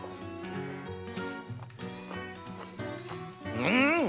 うん！